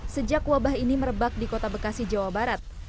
sejak wabah ini merebak di kota bekasi jawa barat